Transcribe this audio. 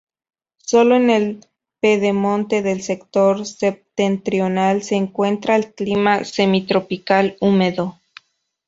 Solo en el pedemonte del sector septentrional se encuentra el clima semitropical húmedo.